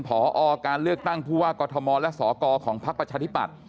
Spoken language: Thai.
พอการเลือกตั้งผู้ว่ากอทมและสกของพักประชาธิปัตย